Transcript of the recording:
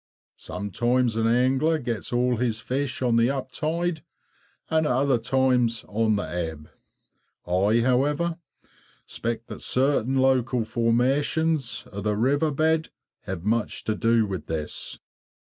Sometimes an angler gets all his fish on the up tide, and at other times on the ebb. I, however, suspect that certain local formations of the river bed, have much to do with this.